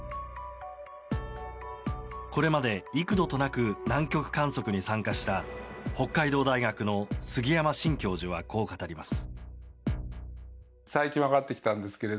これまで幾度となく南極観測に参加した北海道大学の杉山慎教授はこう語ります。